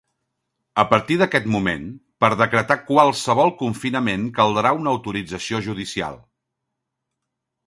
A partir d'aquest moment, per decretar qualsevol confinament caldrà una autorització judicial.